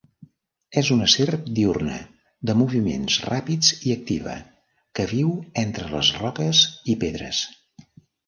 És una serp diürna, de moviments ràpids i activa, que viu entre les roques i pedres.